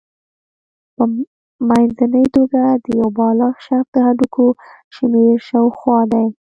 په منځنۍ توګه د یو بالغ شخص د هډوکو شمېر شاوخوا دی.